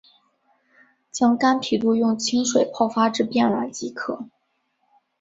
将干皮肚用清水泡发至变软即可。